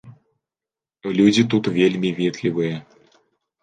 Людзі тут вельмі ветлівыя.